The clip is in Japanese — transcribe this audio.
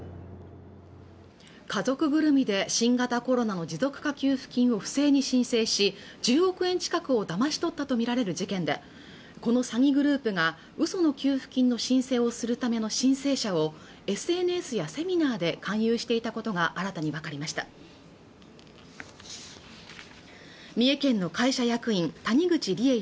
家族ぐるみで新型コロナの持続化給付金を不正に申請し１０億円近くをだまし取ったと見られる事件でこの詐欺グループが嘘の給付金の申請をするための申請者をＳＮＳやセミナーで勧誘していたことが新たに分かりました三重県の会社役員谷口梨恵